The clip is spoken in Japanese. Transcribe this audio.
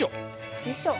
辞書。